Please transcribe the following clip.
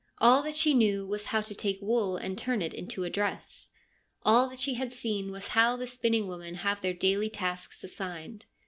All that she knew was how to take wool and turn it into a dress. All that she had seen was how the spinning women have their daily tasks assigned.